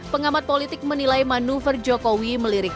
pengamat politik menilai manuver jokowi melirik